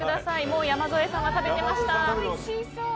もう山添さんが食べてました。